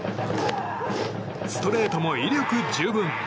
ストレートも威力十分。